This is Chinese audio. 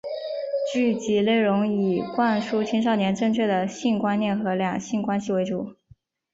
剧集内容以灌输青少年正确的性观念和两性关系为主。